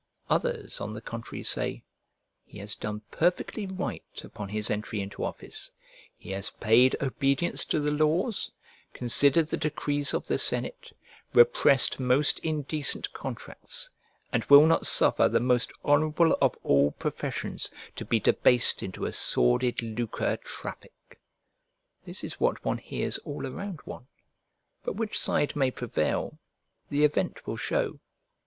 Others, on the contrary, say, "He has done perfectly right upon his entry into office; he has paid obedience to the laws; considered the decrees of the senate, repressed most indecent contracts, and will not suffer the most honourable of all professions to be debased into a sordid lucre traffic." This is what one hears all around one; but which side may prevail, the event will shew.